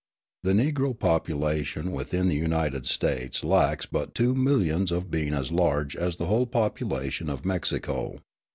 The Negro population within the United States lacks but two millions of being as large as the whole population of Mexico.